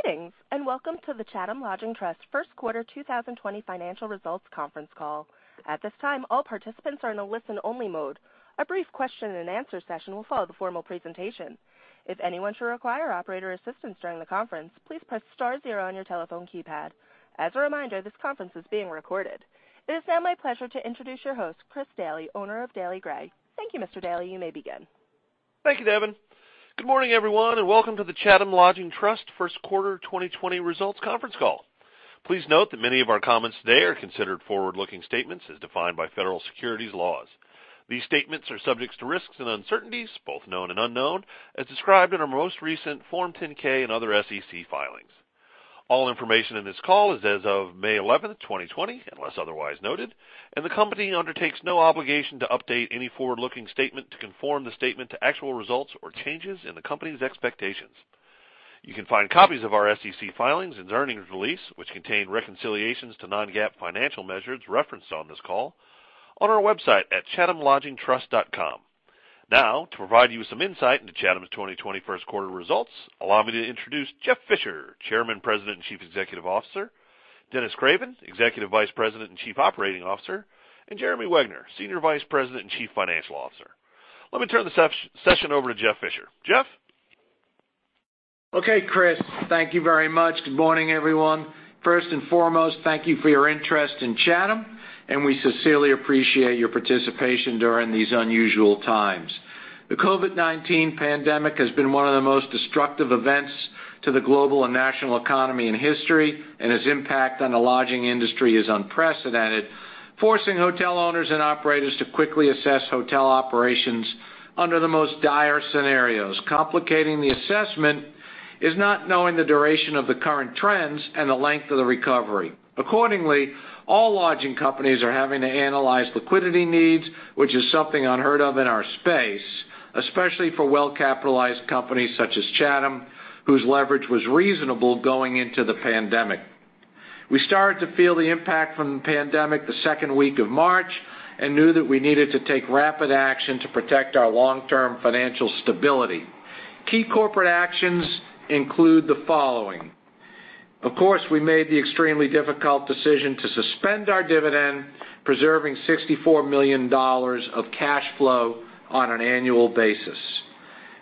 Greetings, and welcome to the Chatham Lodging Trust First Quarter 2020 Financial Results Conference Call. At this time, all participants are in a listen-only mode. A brief question and answer session will follow the formal presentation. If anyone should require operator assistance during the conference, please press star zero on your telephone keypad. As a reminder, this conference is being recorded. It is now my pleasure to introduce your host, Chris Daly, owner of Daly Gray. Thank you, Mr. Daly. You may begin. Thank you, Devin. Good morning, everyone, and welcome to the Chatham Lodging Trust First Quarter 2020 Results Conference Call. Please note that many of our comments today are considered forward-looking statements as defined by federal securities laws. These statements are subject to risks and uncertainties, both known and unknown, as described in our most recent Form 10-K and other SEC filings. All information in this call is as of May 11th, 2020, unless otherwise noted, and the company undertakes no obligation to update any forward-looking statement to conform the statement to actual results or changes in the company's expectations. You can find copies of our SEC filings and earnings release, which contain reconciliations to non-GAAP financial measures referenced on this call, on our website at chathamlodgingtrust.com. Now, to provide you with some insight into Chatham 2020 first quarter results, allow me to introduce Jeff Fisher, Chairman, President, and Chief Executive Officer, Dennis Craven, Executive Vice President and Chief Operating Officer, and Jeremy Wegner, Senior Vice President and Chief Financial Officer. Let me turn the session over to Jeff Fisher. Jeff? Okay, Chris, thank you very much. Good morning, everyone. First and foremost, thank you for your interest in Chatham, and we sincerely appreciate your participation during these unusual times. The COVID-19 pandemic has been one of the most destructive events to the global and national economy in history, and its impact on the lodging industry is unprecedented, forcing hotel owners and operators to quickly assess hotel operations under the most dire scenarios. Complicating the assessment is not knowing the duration of the current trends and the length of the recovery. Accordingly, all lodging companies are having to analyze liquidity needs, which is something unheard of in our space, especially for well-capitalized companies such as Chatham, whose leverage was reasonable going into the pandemic. We started to feel the impact from the pandemic the second week of March and knew that we needed to take rapid action to protect our long-term financial stability. Key corporate actions include the following. Of course, we made the extremely difficult decision to suspend our dividend, preserving $64 million of cash flow on an annual basis.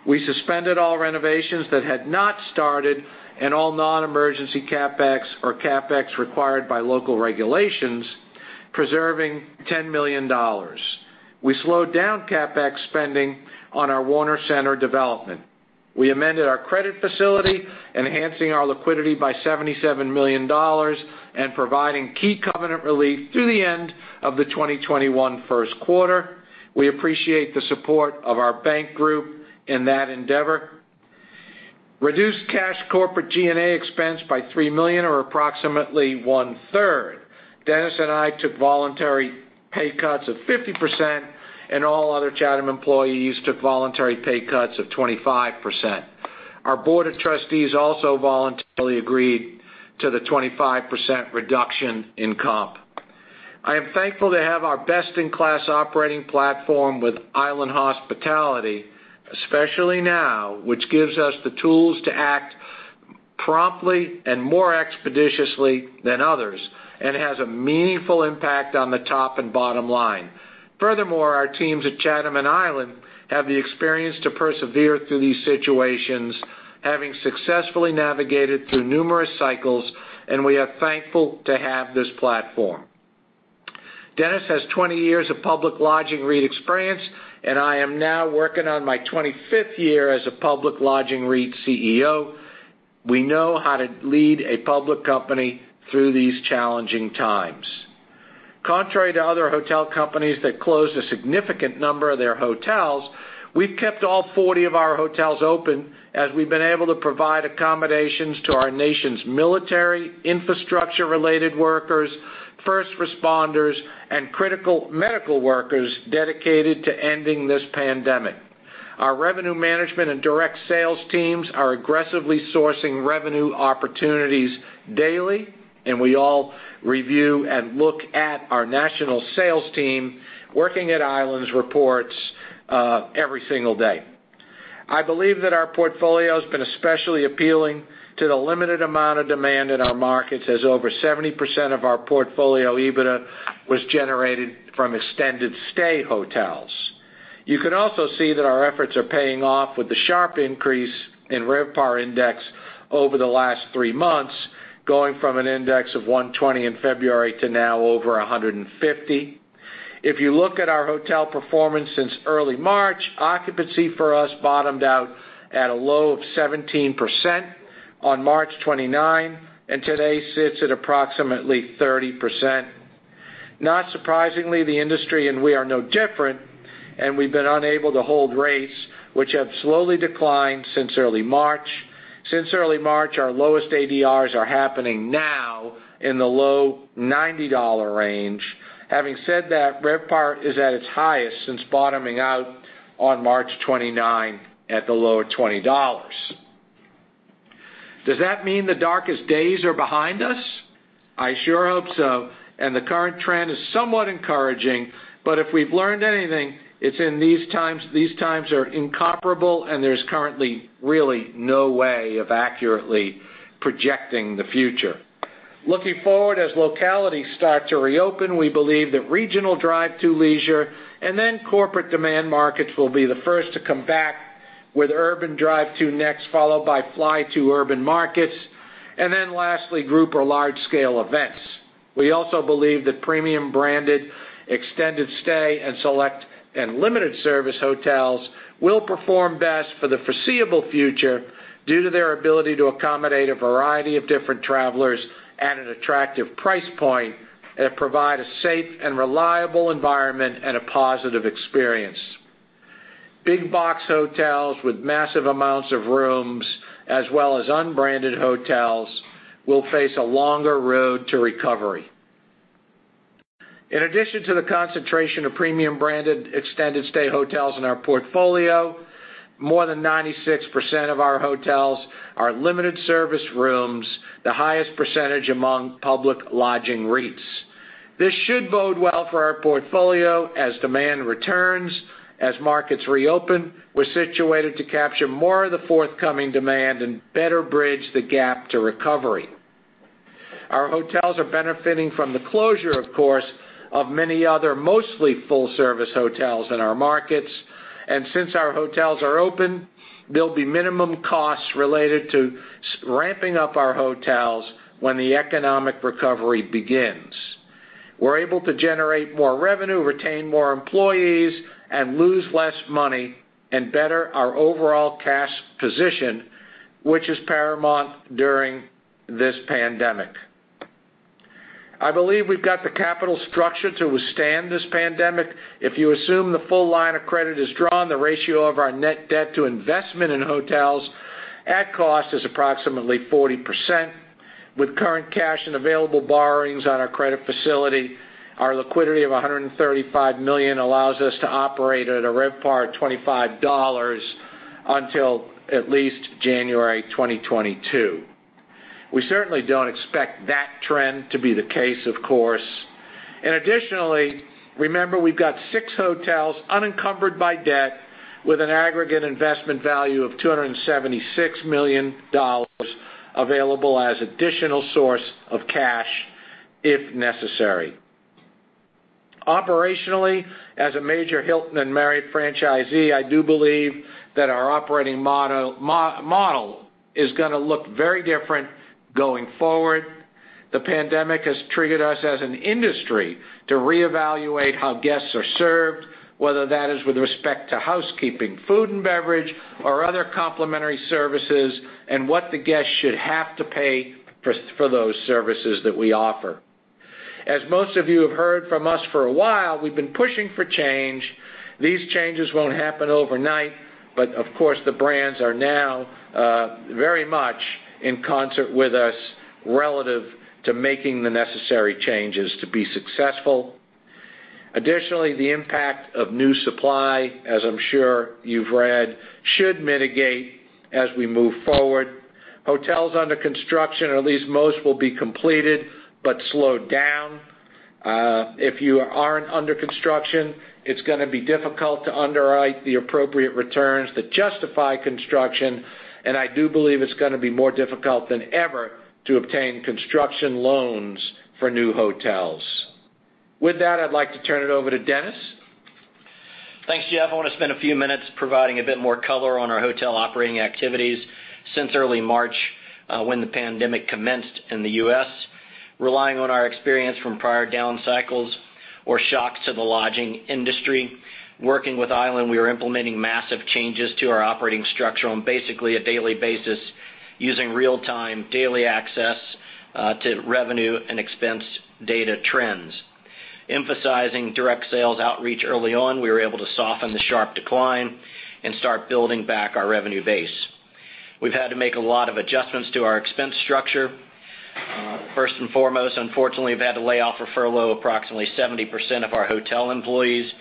We suspended all renovations that had not started and all non-emergency CapEx or CapEx required by local regulations, preserving $10 million. We slowed down CapEx spending on our Warner Center development. We amended our credit facility, enhancing our liquidity by $77 million and providing key covenant relief through the end of the 2021 first quarter. We appreciate the support of our bank group in that endeavor. Reduced cash corporate G&A expense by $3 million, or approximately one-third. Dennis and I took voluntary pay cuts of 50%, and all other Chatham employees took voluntary pay cuts of 25%. Our Board of Trustees also voluntarily agreed to the 25% reduction in comp. I am thankful to have our best-in-class operating platform with Island Hospitality, especially now, which gives us the tools to act promptly and more expeditiously than others and has a meaningful impact on the top and bottom line. Furthermore, our teams at Chatham and Island have the experience to persevere through these situations, having successfully navigated through numerous cycles, and we are thankful to have this platform. Dennis has 20 years of public lodging REIT experience, and I am now working on my 25th year as a public lodging REIT CEO. We know how to lead a public company through these challenging times. Contrary to other hotel companies that closed a significant number of their hotels, we've kept all 40 of our hotels open as we've been able to provide accommodations to our nation's military, infrastructure-related workers, first responders, and critical medical workers dedicated to ending this pandemic. Our revenue management and direct sales teams are aggressively sourcing revenue opportunities daily, and we all review and look at our national sales team working at Island's reports every single day. I believe that our portfolio has been especially appealing to the limited amount of demand in our markets, as over 70% of our portfolio EBITDA was generated from extended-stay hotels. You can also see that our efforts are paying off with the sharp increase in RevPAR index over the last three months, going from an index of 120 in February to now over 150. If you look at our hotel performance since early March, occupancy for us bottomed out at a low of 17% on March 29, and today sits at approximately 30%. Not surprisingly, the industry and we are no different, and we've been unable to hold rates, which have slowly declined since early March. Since early March, our lowest ADRs are happening now in the low $90 range. Having said that, RevPAR is at its highest since bottoming out on March 29 at the low of $20. Does that mean the darkest days are behind us? I sure hope so, and the current trend is somewhat encouraging, but if we've learned anything, it's in these times. These times are incomparable, and there's currently really no way of accurately projecting the future. Looking forward, as localities start to reopen, we believe that regional drive-through leisure and then corporate demand markets will be the first to come back, with urban drive-through next, followed by fly-through urban markets, and then lastly, group or large-scale events. We also believe that premium-branded, extended-stay, and select and limited-service hotels will perform best for the foreseeable future due to their ability to accommodate a variety of different travelers at an attractive price point and provide a safe and reliable environment and a positive experience. Big box hotels with massive amounts of rooms, as well as unbranded hotels, will face a longer road to recovery. In addition to the concentration of premium-branded extended-stay hotels in our portfolio, more than 96% of our hotels are limited-service rooms, the highest percentage among public lodging REITs. This should bode well for our portfolio as demand returns as markets reopen, we're situated to capture more of the forthcoming demand and better bridge the gap to recovery. Our hotels are benefiting from the closure, of course, of many other mostly full-service hotels in our markets, and since our hotels are open, there will be minimum costs related to ramping up our hotels when the economic recovery begins. We're able to generate more revenue, retain more employees, and lose less money and better our overall cash position, which is paramount during this pandemic. I believe we've got the capital structure to withstand this pandemic. If you assume the full line of credit is drawn, the ratio of our net debt to investment in hotels at cost is approximately 40%. With current cash and available borrowings on our credit facility, our liquidity of $135 million allows us to operate at a RevPAR of $25 until at least January 2022. We certainly do not expect that trend to be the case, of course. Additionally, remember we have six hotels unencumbered by debt, with an aggregate investment value of $276 million available as an additional source of cash if necessary. Operationally, as a major Hilton and Marriott franchisee, I do believe that our operating model is going to look very different going forward. The pandemic has triggered us as an industry to reevaluate how guests are served, whether that is with respect to housekeeping, food and beverage, or other complementary services, and what the guests should have to pay for those services that we offer. As most of you have heard from us for a while, we have been pushing for change. These changes won't happen overnight, but of course, the brands are now very much in concert with us relative to making the necessary changes to be successful. Additionally, the impact of new supply, as I'm sure you've read, should mitigate as we move forward. Hotels under construction, or at least most, will be completed but slowed down. If you aren't under construction, it's going to be difficult to underwrite the appropriate returns that justify construction, and I do believe it's going to be more difficult than ever to obtain construction loans for new hotels. With that, I'd like to turn it over to Dennis. Thanks, Jeff. I want to spend a few minutes providing a bit more color on our hotel operating activities since early March when the pandemic commenced in the U.S., relying on our experience from prior down cycles or shocks to the lodging industry. Working with Island, we were implementing massive changes to our operating structure on basically a daily basis, using real-time daily access to revenue and expense data trends. Emphasizing direct sales outreach early on, we were able to soften the sharp decline and start building back our revenue base. We've had to make a lot of adjustments to our expense structure. First and foremost, unfortunately, we've had to lay off or furlough approximately 70% of our hotel employees,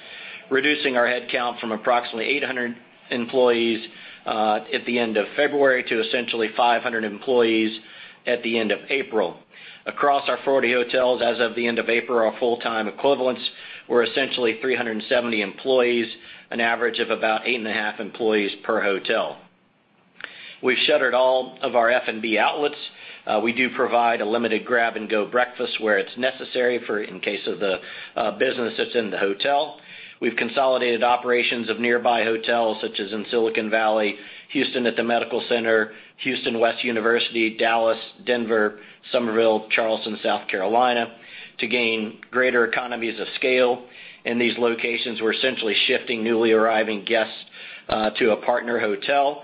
reducing our headcount from approximately 800 employees at the end of February to essentially 500 employees at the end of April. Across our 40 hotels, as of the end of April, our full-time equivalents were essentially 370 employees, an average of about eight and a half employees per hotel. We've shuttered all of our F&B outlets. We do provide a limited grab-and-go breakfast where it's necessary for in case of the business that's in the hotel. We've consolidated operations of nearby hotels such as in Silicon Valley, Houston at the Medical Center, Houston West University, Dallas, Denver, Somerville, Charleston, South Carolina, to gain greater economies of scale. In these locations, we're essentially shifting newly arriving guests to a partner hotel.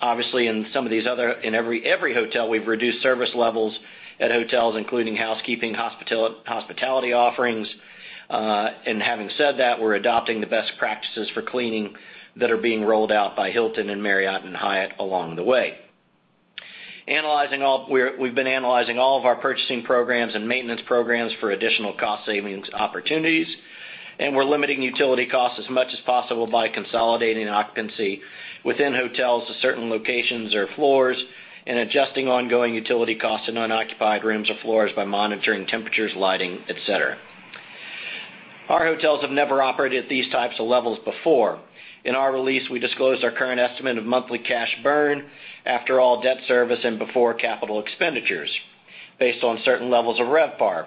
Obviously, in some of these other in every hotel, we've reduced service levels at hotels, including housekeeping, hospitality offerings. Having said that, we're adopting the best practices for cleaning that are being rolled out by Hilton and Marriott and Hyatt along the way. We've been analyzing all of our purchasing programs and maintenance programs for additional cost savings opportunities, and we're limiting utility costs as much as possible by consolidating occupancy within hotels to certain locations or floors and adjusting ongoing utility costs in unoccupied rooms or floors by monitoring temperatures, lighting, etc. Our hotels have never operated at these types of levels before. In our release, we disclosed our current estimate of monthly cash burn after all debt service and before capital expenditures based on certain levels of RevPAR.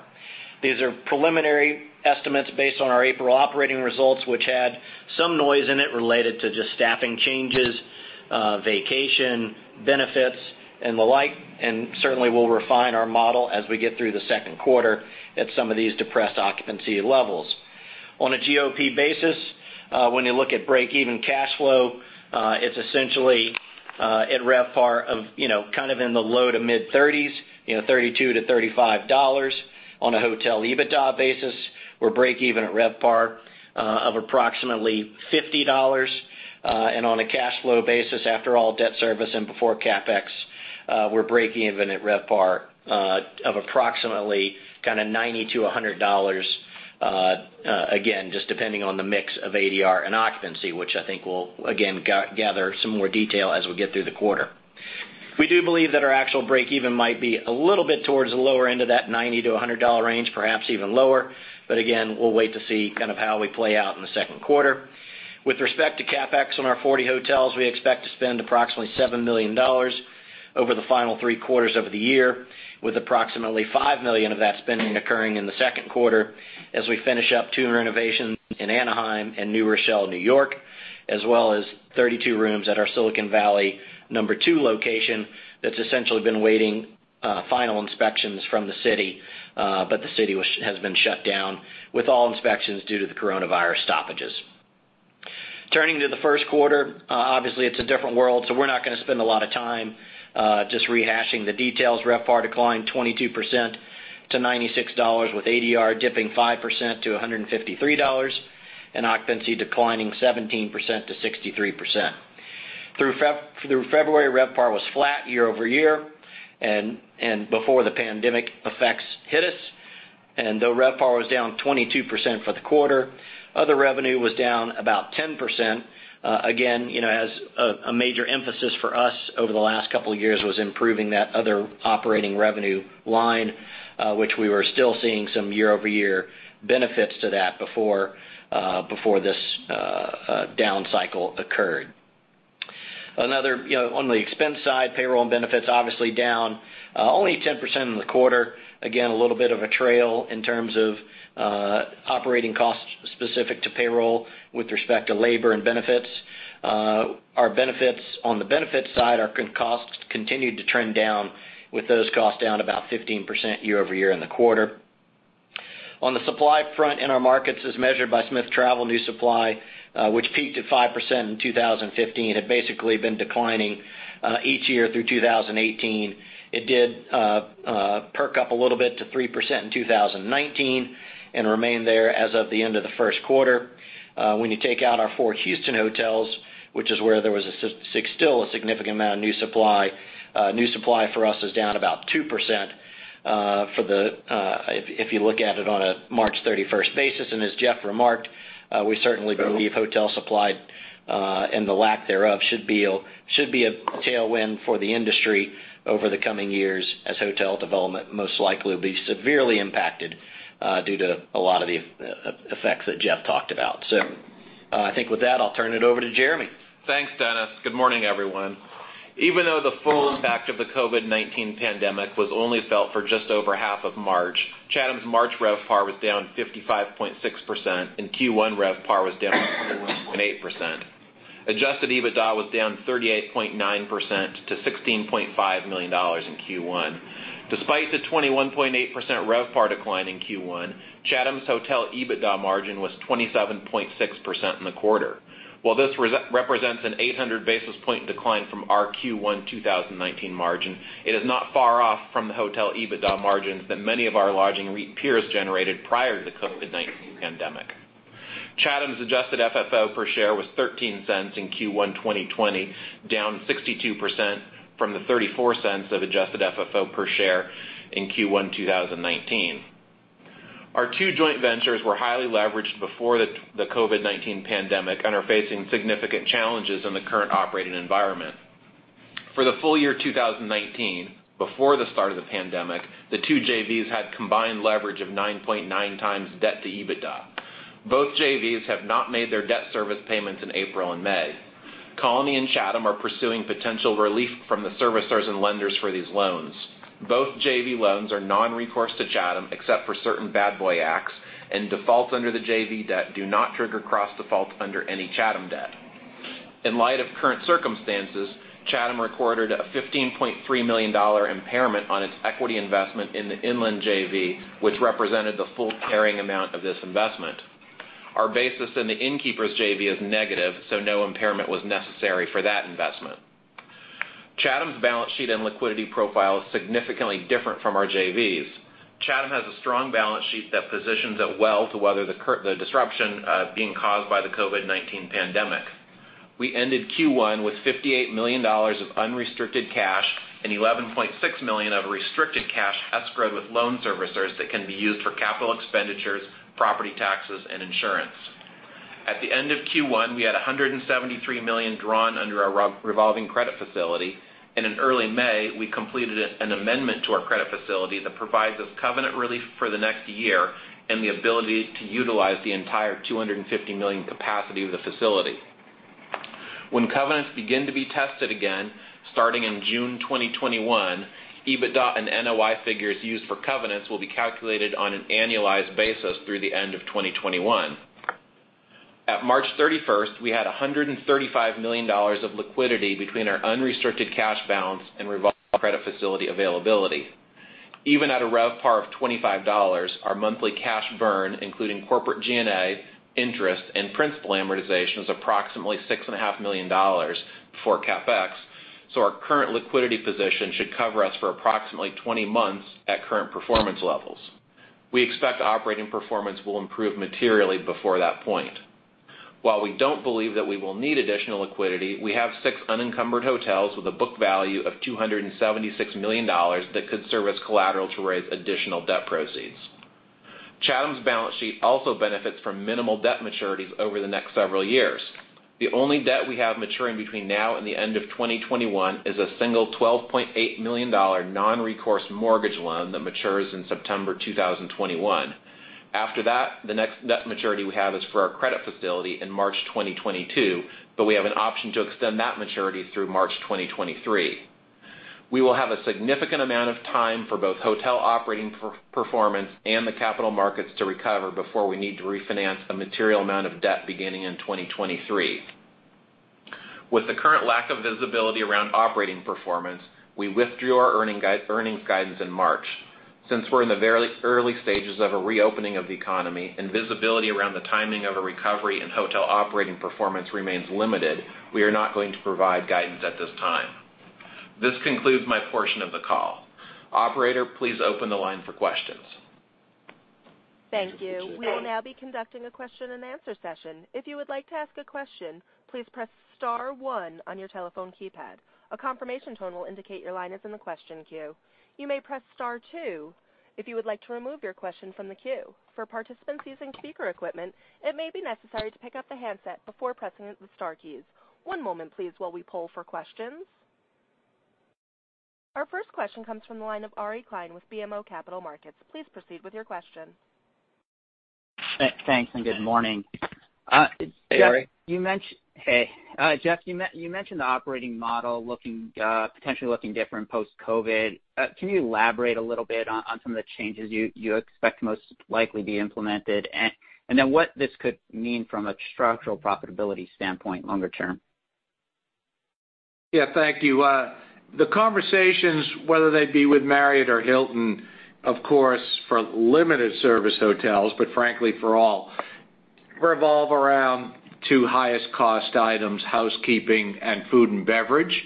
These are preliminary estimates based on our April operating results, which had some noise in it related to just staffing changes, vacation benefits, and the like, and certainly will refine our model as we get through the second quarter at some of these depressed occupancy levels. On a GOP basis, when you look at break-even cash flow, it's essentially at RevPAR of kind of in the low to mid-30s, $32-$35. On a hotel EBITDA basis, we're break-even at RevPAR of approximately $50. On a cash flow basis, after all debt service and before CapEx, we're break-even at RevPAR of approximately kind of $90-$100, again, just depending on the mix of ADR and occupancy, which I think we'll, again, gather some more detail as we get through the quarter. We do believe that our actual break-even might be a little bit towards the lower end of that $90-$100 range, perhaps even lower, but again, we'll wait to see kind of how we play out in the second quarter. With respect to CapEx on our 40 hotels, we expect to spend approximately $7 million over the final three quarters of the year, with approximately $5 million of that spending occurring in the second quarter as we finish up two renovations in Anaheim and New Rochelle, New York, as well as 32 rooms at our Silicon Valley number two location that's essentially been waiting final inspections from the city, but the city has been shut down with all inspections due to the coronavirus stoppages. Turning to the first quarter, obviously, it's a different world, so we're not going to spend a lot of time just rehashing the details. RevPAR declined 22% to $96 with ADR dipping 5% to $153 and occupancy declining 17%-63%. Through February, RevPAR was flat year-over-year and before the pandemic effects hit us. Though RevPAR was down 22% for the quarter, other revenue was down about 10%. Again, as a major emphasis for us over the last couple of years was improving that other operating revenue line, which we were still seeing some year-over-year benefits to that before this down cycle occurred. On the expense side, payroll and benefits obviously down only 10% in the quarter. Again, a little bit of a trail in terms of operating costs specific to payroll with respect to labor and benefits. On the benefits side, our costs continued to trend down with those costs down about 15% year-over-year in the quarter. On the supply front in our markets, as measured by Smith Travel New Supply, which peaked at 5% in 2015, had basically been declining each year through 2018. It did perk up a little bit to 3% in 2019 and remained there as of the end of the first quarter. When you take out our four Houston hotels, which is where there was still a significant amount of new supply, new supply for us is down about 2% if you look at it on a March 31st basis. As Jeff remarked, we certainly believe hotel supply and the lack thereof should be a tailwind for the industry over the coming years as hotel development most likely will be severely impacted due to a lot of the effects that Jeff talked about. I think with that, I'll turn it over to Jeremy. Thanks, Dennis. Good morning, everyone. Even though the full impact of the COVID-19 pandemic was only felt for just over half of March, Chatham's March RevPAR was down 55.6% and Q1 RevPAR was down 8%. Adjusted EBITDA was down 38.9% to $16.5 million in Q1. Despite the 21.8% RevPAR decline in Q1, Chatham's hotel EBITDA margin was 27.6% in the quarter. While this represents an 800 basis point decline from our Q1 2019 margin, it is not far off from the hotel EBITDA margins that many of our lodging REIT peers generated prior to the COVID-19 pandemic. Chatham's adjusted FFO per share was $0.13 in Q1 2020, down 62% from the $0.34 of adjusted FFO per share in Q1 2019. Our two joint ventures were highly leveraged before the COVID-19 pandemic and are facing significant challenges in the current operating environment. For the full year 2019, before the start of the pandemic, the two JVs had combined leverage of 9.9 times debt to EBITDA. Both JVs have not made their debt service payments in April and May. Colony and Chatham are pursuing potential relief from the servicers and lenders for these loans. Both JV loans are non-recourse to Chatham except for certain bad boy acts, and defaults under the JV debt do not trigger cross-default under any Chatham debt. In light of current circumstances, Chatham recorded a $15.3 million impairment on its equity investment in the Inland JV, which represented the full carrying amount of this investment. Our basis in the Innkeepers JV is negative, so no impairment was necessary for that investment. Chatham's balance sheet and liquidity profile is significantly different from our JVs. Chatham has a strong balance sheet that positions it well to weather the disruption being caused by the COVID-19 pandemic. We ended Q1 with $58 million of unrestricted cash and $11.6 million of restricted cash escrowed with loan servicers that can be used for capital expenditures, property taxes, and insurance. At the end of Q1, we had $173 million drawn under our revolving credit facility. In early May, we completed an amendment to our credit facility that provides us covenant relief for the next year and the ability to utilize the entire $250 million capacity of the facility. When covenants begin to be tested again, starting in June 2021, EBITDA and NOI figures used for covenants will be calculated on an annualized basis through the end of 2021. At March 31, we had $135 million of liquidity between our unrestricted cash balance and revolving credit facility availability. Even at a RevPAR of $25, our monthly cash burn, including corporate G&A, interest, and principal amortization, is approximately $6.5 million before CapEx, so our current liquidity position should cover us for approximately 20 months at current performance levels. We expect operating performance will improve materially before that point. While we do not believe that we will need additional liquidity, we have six unencumbered hotels with a book value of $276 million that could serve as collateral to raise additional debt proceeds. Chatham's balance sheet also benefits from minimal debt maturities over the next several years. The only debt we have maturing between now and the end of 2021 is a single $12.8 million non-recourse mortgage loan that matures in September 2021. After that, the next debt maturity we have is for our credit facility in March 2022, but we have an option to extend that maturity through March 2023. We will have a significant amount of time for both hotel operating performance and the capital markets to recover before we need to refinance a material amount of debt beginning in 2023. With the current lack of visibility around operating performance, we withdrew our earnings guidance in March. Since we're in the very early stages of a reopening of the economy and visibility around the timing of a recovery in hotel operating performance remains limited, we are not going to provide guidance at this time. This concludes my portion of the call. Operator, please open the line for questions. Thank you. We will now be conducting a question and answer session. If you would like to ask a question, please press star one on your telephone keypad. A confirmation tone will indicate your line is in the question queue. You may press star two if you would like to remove your question from the queue. For participants using speaker equipment, it may be necessary to pick up the handset before pressing the star keys. One moment, please, while we pull for questions. Our first question comes from the line of Ari Klein with BMO Capital Markets. Please proceed with your question. Thanks, and good morning. Hey, Ari. Hey. Jeff, you mentioned the operating model potentially looking different post-COVID. Can you elaborate a little bit on some of the changes you expect most likely to be implemented and then what this could mean from a structural profitability standpoint longer term? Yeah, thank you. The conversations, whether they be with Marriott or Hilton, of course, for limited service hotels, but frankly, for all, revolve around two highest cost items, housekeeping and food and beverage.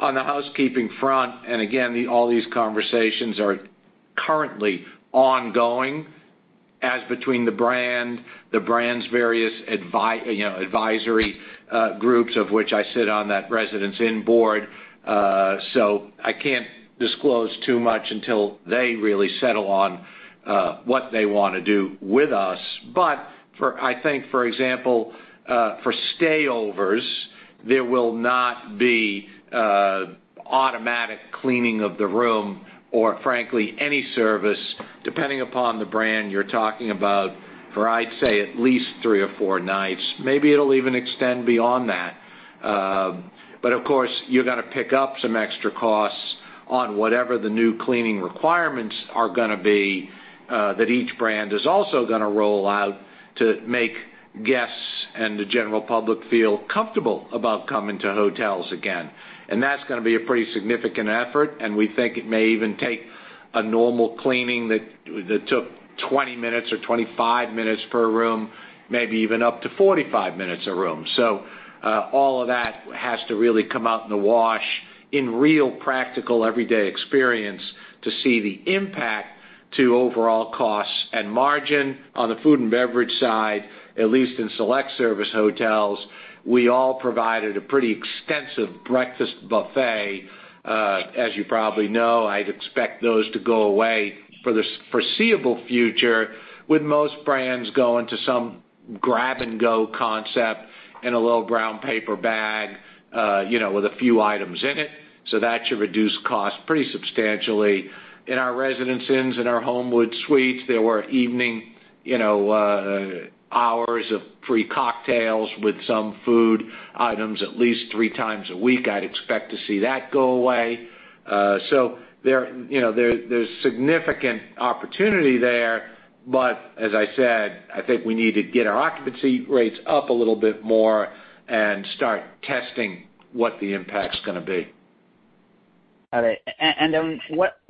On the housekeeping front, and again, all these conversations are currently ongoing as between the brand, the brand's various advisory groups, of which I sit on that Residence Inn board. I can't disclose too much until they really settle on what they want to do with us. I think, for example, for stayovers, there will not be automatic cleaning of the room or, frankly, any service, depending upon the brand you're talking about, for, I'd say, at least three or four nights. Maybe it'll even extend beyond that. Of course, you're going toa pick up some extra costs on whatever the new cleaning requirements are going to be that each brand is also going to roll out to make guests and the general public feel comfortable about coming to hotels again. That is going to be a pretty significant effort, and we think it may even take a normal cleaning that took 20 minutes or 25 minutes per room, maybe even up to 45 minutes a room. All of that has to really come out in the wash in real practical everyday experience to see the impact to overall costs and margin. On the food and beverage side, at least in select service hotels, we all provided a pretty extensive breakfast buffet. As you probably know, I'd expect those to go away for the foreseeable future, with most brands going to some grab-and-go concept in a little brown paper bag with a few items in it. That should reduce costs pretty substantially. In our residences and our Homewood Suites, there were evening hours of free cocktails with some food items at least three times a week. I'd expect to see that go away. There is significant opportunity there, but as I said, I think we need to get our occupancy rates up a little bit more and start testing what the impact is going to be. Got it.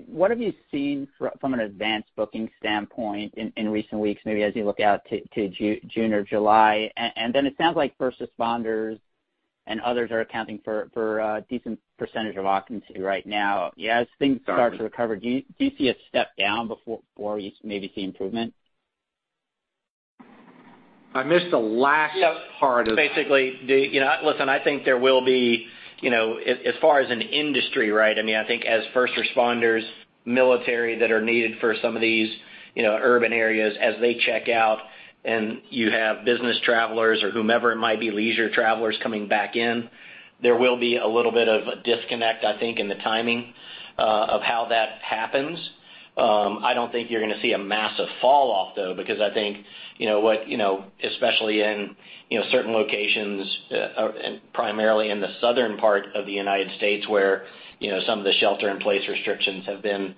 What have you seen from an advanced booking standpoint in recent weeks, maybe as you look out to June or July? It sounds like first responders and others are accounting for a decent percentage of occupancy right now. As things start to recover, do you see a step down before you maybe see improvement? I missed the last part of that. Basically, listen, I think there will be, as far as an industry, right? I mean, I think as first responders, military that are needed for some of these urban areas, as they check out and you have business travelers or whomever it might be, leisure travelers coming back in, there will be a little bit of a disconnect, I think, in the timing of how that happens. I do not think you're going to see a massive falloff, though, because I think what, especially in certain locations, primarily in the southern part of the United States, where some of the shelter-in-place restrictions have been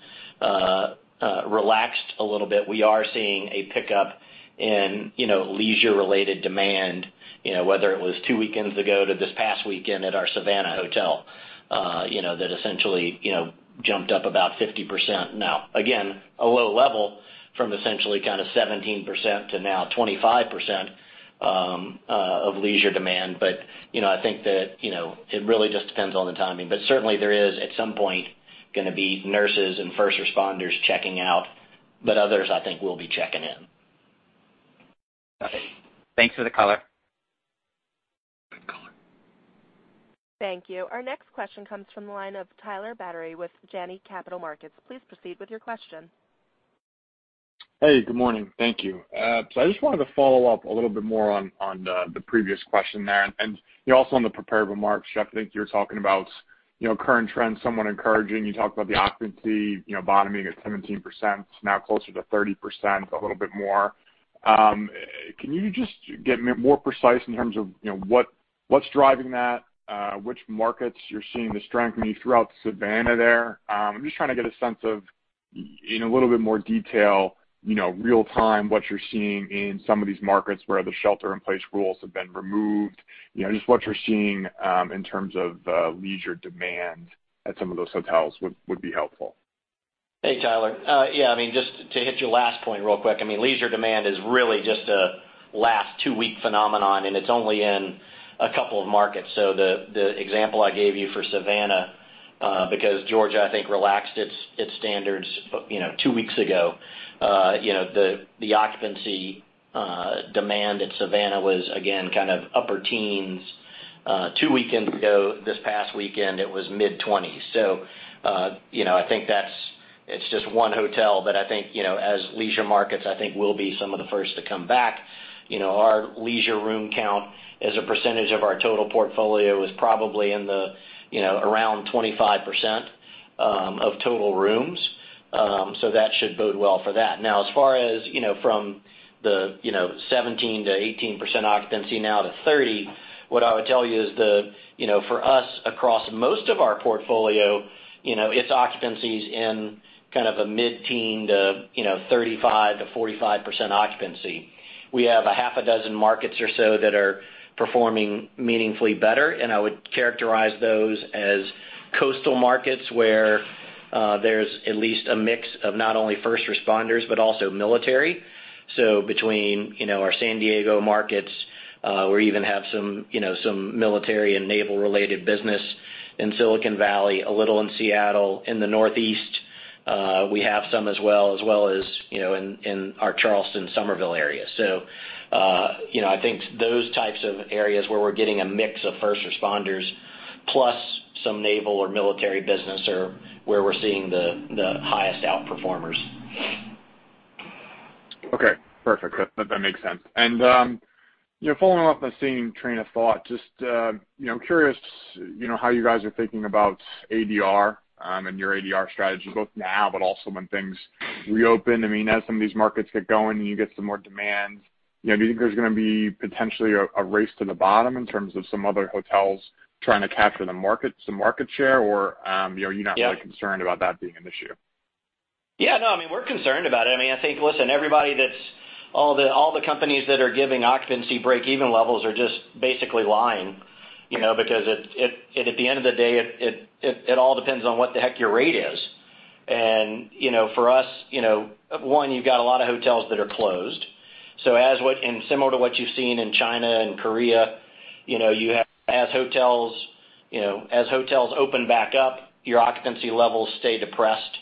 relaxed a little bit, we are seeing a pickup in leisure-related demand, whether it was two weekends ago to this past weekend at our Savannah Hotel, that essentially jumped up about 50%. Now, again, a low level from essentially kind of 17% to now 25% of leisure demand. I think that it really just depends on the timing. Certainly, there is at some point going to be nurses and first responders checking out, but others, I think, will be checking in. Got it. Thanks for the color. Thank you. Our next question comes from the line of Tyler Batory with Janney Capital Markets. Please proceed with your question. Hey, good morning. Thank you. I just wanted to follow up a little bit more on the previous question there. Also, on the prepared remarks, Jeff, I think you were talking about current trends, somewhat encouraging. You talked about the occupancy bottoming at 17%, now closer to 30%, a little bit more. Can you just get more precise in terms of what's driving that, which markets you're seeing the strengthening throughout Savannah there? I'm just trying to get a sense of, in a little bit more detail, real-time what you're seeing in some of these markets where the shelter-in-place rules have been removed. Just what you're seeing in terms of leisure demand at some of those hotels would be helpful. Hey, Tyler. Yeah, I mean, just to hit your last point real quick, I mean, leisure demand is really just a last two-week phenomenon, and it's only in a couple of markets. The example I gave you for Savannah, because Georgia, I think, relaxed its standards two weeks ago, the occupancy demand at Savannah was, again, kind of upper teens. Two weekends ago, this past weekend, it was mid-20s. I think that's just one hotel, but I think as leisure markets, I think we'll be some of the first to come back. Our leisure room count as a percentage of our total portfolio is probably in the around 25% of total rooms, so that should bode well for that. Now, as far as from the 17%-18% occupancy now to 30%, what I would tell you is that for us, across most of our portfolio, it's occupancies in kind of a mid-teen to 35%-45% occupancy. We have a half a dozen markets or so that are performing meaningfully better, and I would characterize those as coastal markets where there's at least a mix of not only first responders but also military. Between our San Diego markets, we even have some military and naval-related business in Silicon Valley, a little in Seattle. In the northeast, we have some as well, as well as in our Charleston, Somerville area. I think those types of areas where we're getting a mix of first responders plus some naval or military business are where we're seeing the highest outperformers. Okay. Perfect. That makes sense. Following off the same train of thought, just curious how you guys are thinking about ADR and your ADR strategy, both now but also when things reopen. I mean, as some of these markets get going and you get some more demand, do you think there's going to be potentially a race to the bottom in terms of some other hotels trying to capture some market share, or are you not really concerned about that being an issue? Yeah. No, I mean, we're concerned about it. I mean, I think, listen, all the companies that are giving occupancy break-even levels are just basically lying because at the end of the day, it all depends on what the heck your rate is. For us, one, you've got a lot of hotels that are closed. Similar to what you've seen in China and Korea, as hotels open back up, your occupancy levels stay depressed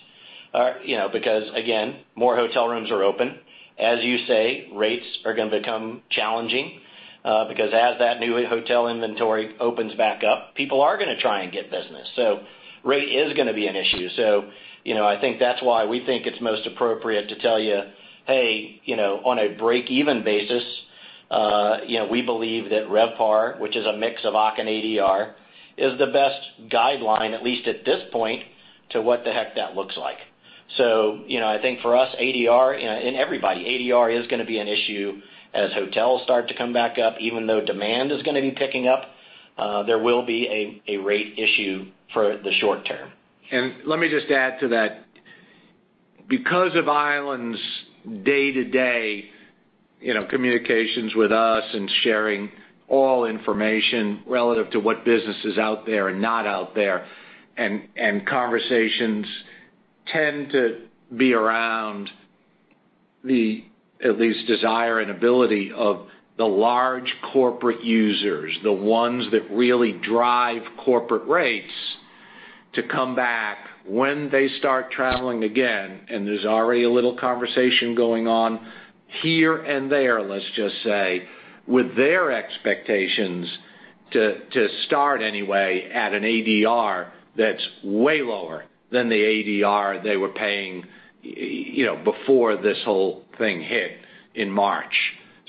because, again, more hotel rooms are open. As you say, rates are going to become challenging because as that new hotel inventory opens back up, people are going to try and get business. Rate is going to be an issue. I think that's why we think it's most appropriate to tell you, "Hey, on a break-even basis, we believe that RevPAR, which is a mix of occupancy and ADR, is the best guideline, at least at this point, to what the heck that looks like." I think for us, ADR, and everybody, ADR is going to be an issue as hotels start to come back up. Even though demand is going to be picking up, there will be a rate issue for the short term. Let me just add to that. Because of Island's day-to-day communications with us and sharing all information relative to what business is out there and not out there, conversations tend to be around at least desire and ability of the large corporate users, the ones that really drive corporate rates to come back when they start traveling again. There is already a little conversation going on here and there, let's just say, with their expectations to start anyway at an ADR that is way lower than the ADR they were paying before this whole thing hit in March.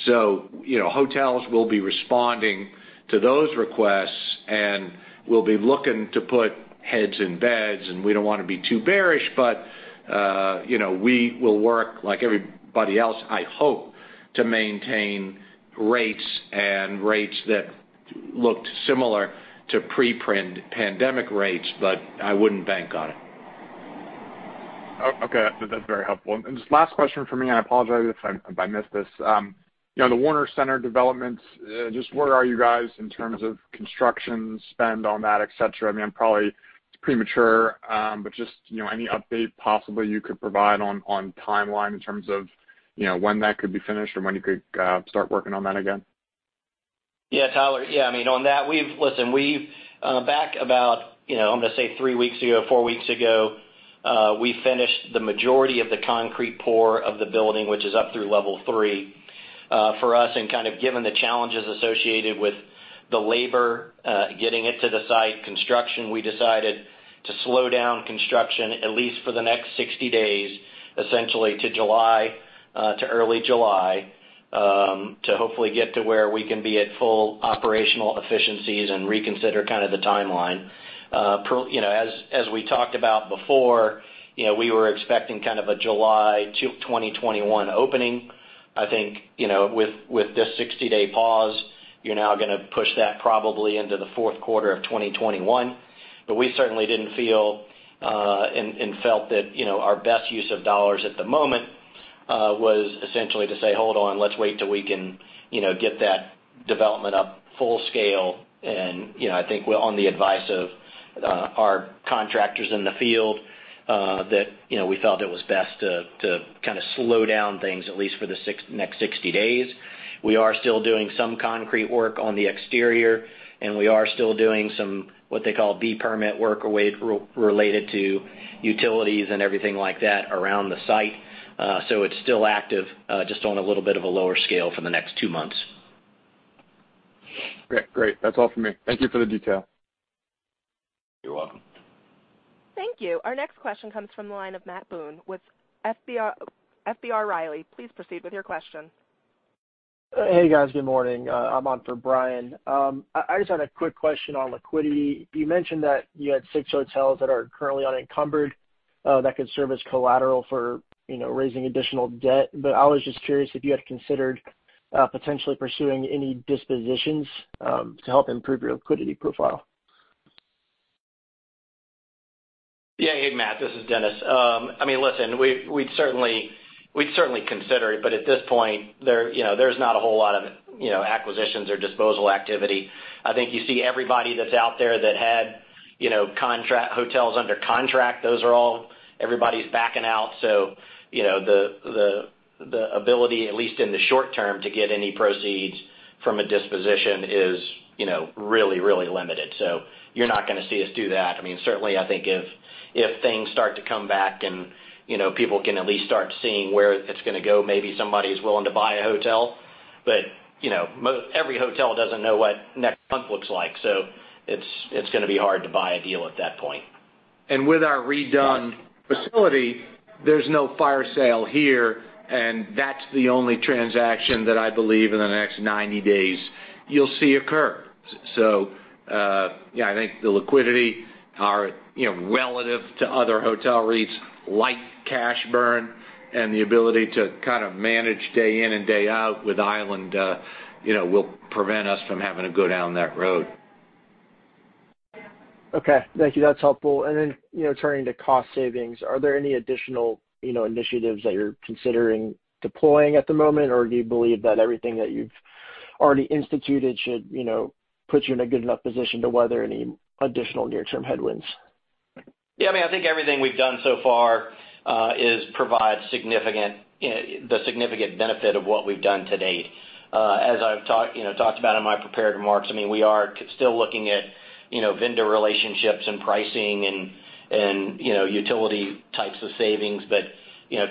Hotels will be responding to those requests, and we will be looking to put heads in beds. We do not want to be too bearish, but we will work like everybody else, I hope, to maintain rates and rates that looked similar to pre-pandemic rates, but I would not bank on it. Okay. That's very helpful. Just last question for me, and I apologize if I missed this. The Warner Center developments, just where are you guys in terms of construction spend on that, etc.? I mean, probably it's premature, but just any update possibly you could provide on timeline in terms of when that could be finished or when you could start working on that again? Yeah, Tyler. Yeah. I mean, on that, listen, back about, I'm going to say, three weeks ago, four weeks ago, we finished the majority of the concrete pour of the building, which is up through level three. For us, and kind of given the challenges associated with the labor getting it to the site, construction, we decided to slow down construction at least for the next 60 days, essentially to July, to early July, to hopefully get to where we can be at full operational efficiencies and reconsider kind of the timeline. As we talked about before, we were expecting kind of a July 2021 opening. I think with this 60-day pause, you're now going to push that probably into the fourth quarter of 2021. We certainly didn't feel and felt that our best use of dollars at the moment was essentially to say, "Hold on. Let's wait till we can get that development up full scale. I think on the advice of our contractors in the field that we felt it was best to kind of slow down things at least for the next 60 days. We are still doing some concrete work on the exterior, and we are still doing some what they call B-permit work related to utilities and everything like that around the site. It is still active just on a little bit of a lower scale for the next two months. Great. That's all for me. Thank you for the detail. You're welcome. Thank you. Our next question comes from the line of Matt Boone with FBR Riley. Please proceed with your question. Hey, guys. Good morning. I'm on for Brian. I just had a quick question on liquidity. You mentioned that you had six hotels that are currently unencumbered that could serve as collateral for raising additional debt. I was just curious if you had considered potentially pursuing any dispositions to help improve your liquidity profile. Yeah. Hey, Matt. This is Dennis. I mean, listen, we'd certainly consider it, but at this point, there's not a whole lot of acquisitions or disposal activity. I think you see everybody that's out there that had hotels under contract. Everybody's backing out. The ability, at least in the short term, to get any proceeds from a disposition is really, really limited. You're not going to see us do that. I mean, certainly, I think if things start to come back and people can at least start seeing where it's going to go, maybe somebody is willing to buy a hotel. Every hotel doesn't know what next month looks like. It's going to be hard to buy a deal at that point. With our redone facility, there's no fire sale here, and that's the only transaction that I believe in the next 90 days you'll see occur. I think the liquidity relative to other hotel REITs like cash burn and the ability to kind of manage day in and day out with Island will prevent us from having to go down that road. Okay. Thank you. That's helpful. Turning to cost savings, are there any additional initiatives that you're considering deploying at the moment, or do you believe that everything that you've already instituted should put you in a good enough position to weather any additional near-term headwinds? Yeah. I mean, I think everything we've done so far is provide the significant benefit of what we've done to date. As I've talked about in my prepared remarks, I mean, we are still looking at vendor relationships and pricing and utility types of savings.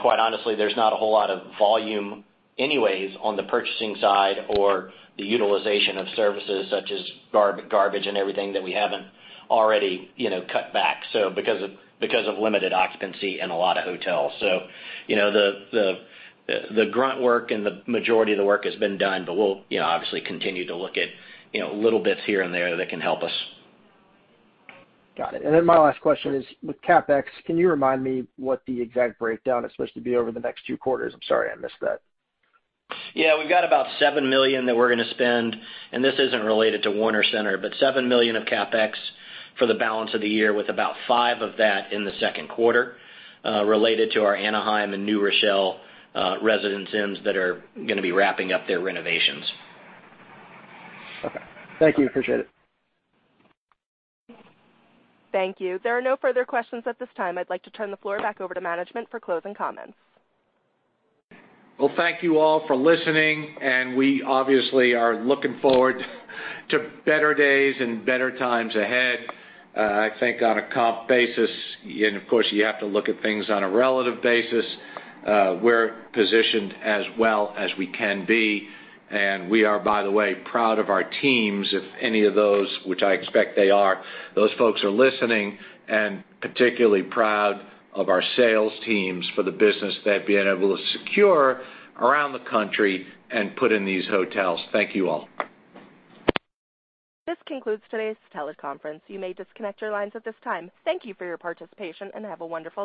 Quite honestly, there's not a whole lot of volume anyways on the purchasing side or the utilization of services such as garbage and everything that we haven't already cut back because of limited occupancy in a lot of hotels. The grunt work and the majority of the work has been done, but we'll obviously continue to look at little bits here and there that can help us. Got it. My last question is with CapEx, can you remind me what the exact breakdown is supposed to be over the next two quarters? I'm sorry, I missed that. Yeah. We've got about $7 million that we're going to spend, and this isn't related to Warner Center, but $7 million of CapEx for the balance of the year with about $5 million of that in the second quarter related to our Anaheim and New Rochelle Residence Inns that are going to be wrapping up their renovations. Okay. Thank you. Appreciate it. Thank you. There are no further questions at this time. I'd like to turn the floor back over to management for closing comments. Thank you all for listening, and we obviously are looking forward to better days and better times ahead. I think on a comp basis, and of course, you have to look at things on a relative basis, we're positioned as well as we can be. We are, by the way, proud of our teams. If any of those, which I expect they are, those folks are listening, and particularly proud of our sales teams for the business they've been able to secure around the country and put in these hotels. Thank you all. This concludes today's teleconference. You may disconnect your lines at this time. Thank you for your participation and have a wonderful day.